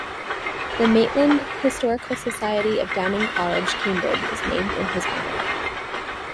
The Maitland Historical Society of Downing College, Cambridge, is named in his honour.